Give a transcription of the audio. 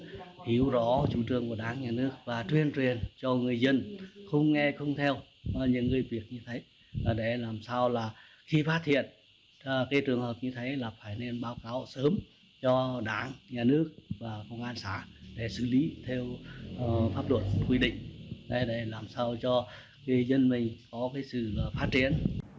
người nhà đảng phải hiểu rõ trung trường của đảng nhà nước và truyền truyền cho người dân không nghe không theo những người việt như thế để làm sao là khi phát hiện trường hợp như thế là phải nên báo cáo sớm cho đảng nhà nước và công an xã để xử lý theo pháp luật quy định để làm sao cho dân mình có sự phát triển